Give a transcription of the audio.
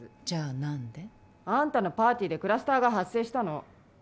じゃあなんで？あんたのパーティーでクラスターが発生したの。